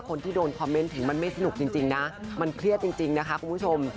คนที่โดนคอมเมนต์ถึงมันไม่สนุกจริงนะมันเครียดจริงนะคะคุณผู้ชม